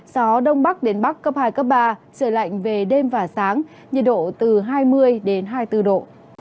gió đông bắc đến bắc cấp hai cấp ba trời lạnh về đêm và sáng nhiệt độ từ hai mươi hai mươi bốn độ